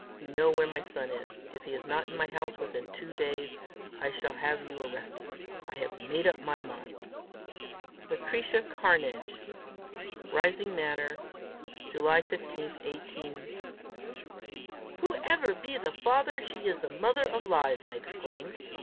You know where my son is: if he is not in my house within two days, I shall have you arrested. I have made up my mind. "Lucretia Cairnedge. "Rising Manor, July 15, 18 ." "Whoever be the father, she's the mother of lies!" I exclaimed.